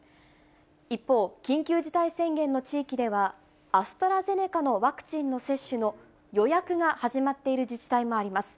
一方、緊急事態宣言の地域では、アストラゼネカのワクチンの接種の予約が始まっている自治体もあります。